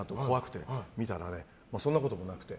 でも見たらそんなこともなくて。